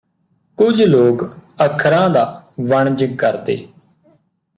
ਕੁਝ ਲੋਕ ਅੱਖਰਾਂ ਦਾ ਵਣਜ ਕਰਦੇ